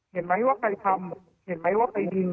เห็นไหมว่าใครทำเห็นไหมว่าไปยิง